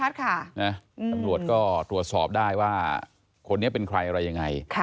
ตำรวจก็ตรวจสอบได้ว่าคนนี้เป็นใครอะไรยังไง